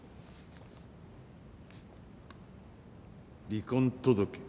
離婚届？